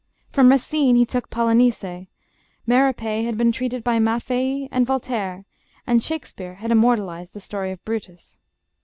From Racine he took 'Polynice,' 'Merope' had been treated by Maffei and Voltaire, and Shakespeare had immortalized the story of Brutus.